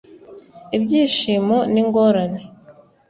ibyishimo ningorane